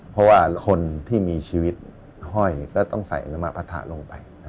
เพราะว่าคนที่มีชีวิตห้อยก็ต้องใส่อนามปะทะลงไป